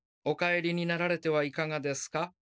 お帰りになられてはいかがですか？